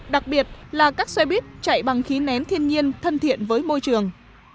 đặc biệt là các xe buýt chạy bằng khí nén thiên nhiên thân thiện với môi trường